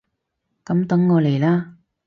噉等我嚟喇！